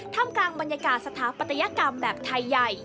ทำกลางบรรยากาศสถาปัตยกรรมแบบไทยใหญ่